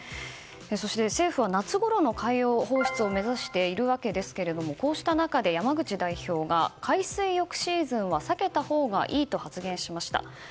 そして政府は夏ごろの海洋放出を目指しているわけですがこうした中で山口代表が海水浴シーズンは避けたほうがいいと発言しました。